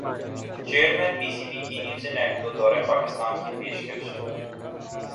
chairman P C B کی New Zealand کو دورہ پاکستان کی پیشکش